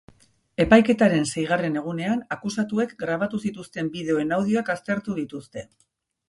Epaiketaren seigarren egunean, akusatuek grabatu zituzten bideoen audioak aztertu dituzte.